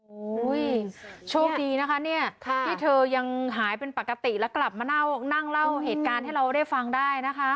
โอ้โหโชคดีนะคะเนี่ยที่เธอยังหายเป็นปกติแล้วกลับมานั่งเล่าเหตุการณ์ให้เราได้ฟังได้นะคะ